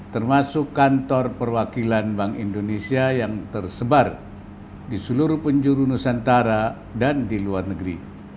termasuk kantor perwakilan bank indonesia yang tersebar di seluruh penjuru nusantara dan di luar negeri